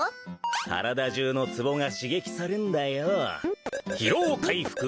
体中のツボが刺激されんだよ。